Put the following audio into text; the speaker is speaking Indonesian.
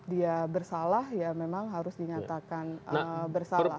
dia bersalah ya memang harus dinyatakan bersalah